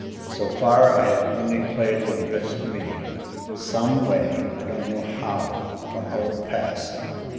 So far I have only played what drifts to me some way, I don't know how from out of the past."